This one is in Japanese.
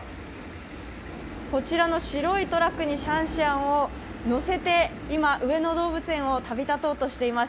こちらの白いトラックにシャンシャンを乗せて今、上野動物園を旅立とうとしています。